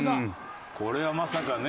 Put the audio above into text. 「これはまさかね」